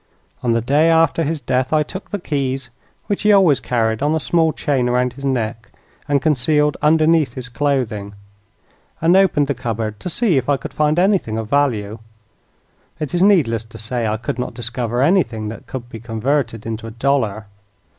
On the day after his death I took the keys, which he always carried on a small chain around his neck and concealed underneath his clothing, and opened the cupboard to see if I could find anything of value. It is needless to say, I could not discover anything that could be converted into a dollar.